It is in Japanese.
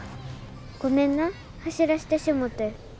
ごめんな走らしてしもて。